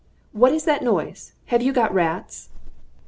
What is that noise? Have you got rats?"